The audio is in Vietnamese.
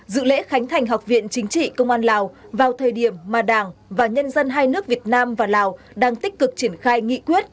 dự lễ khánh thành học viện chính trị công an lào vào thời điểm mà đảng và nhân dân hai nước việt nam và lào đang tích cực triển khai nghị quyết